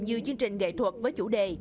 như chương trình nghệ thuật với chủ đề